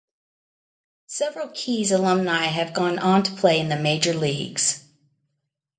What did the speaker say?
Several Keys alumni have gone on to play in the major leagues.